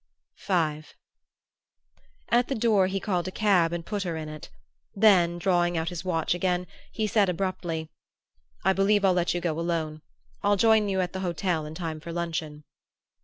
V At the door he called a cab and put her in it; then, drawing out his watch again, he said abruptly: "I believe I'll let you go alone. I'll join you at the hotel in time for luncheon."